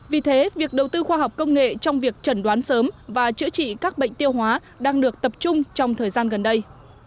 vì thế việc đầu tư khoa học công nghệ trong việc trần đoán sớm và chữa trị các bệnh tiêu hóa đang được tập trung trong thời gian gần đây